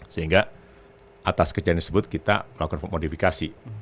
sehingga atas kejadian tersebut kita melakukan modifikasi